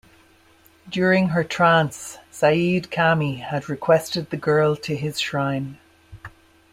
During her trance, said kami had requested the girl to his shrine.